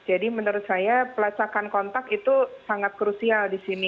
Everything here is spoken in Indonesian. jadi menurut saya pelacakan kontak itu sangat krusial di sini